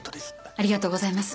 ありがとうございます。